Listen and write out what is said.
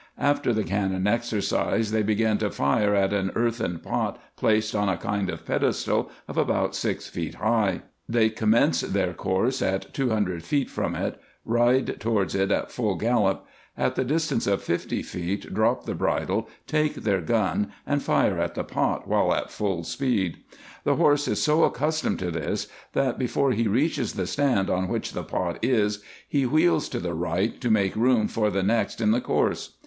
After the cannon exercise, they began to fire at an earthen pot placed on a kind of pedestal of about six feet high. They commence their course at two hundred feet from it; ride towards it at full gallop ; at the distance of fifty feet drop the bridle, take their gun, and fire at the pot while at full speed. The horse is so accustomed to this, that, before he reaches the stand on which the pot is, he wheels to the right, to make room for the next in the course.